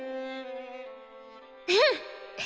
うん！